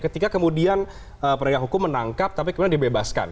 ketika kemudian penegak hukum menangkap tapi kemudian dibebaskan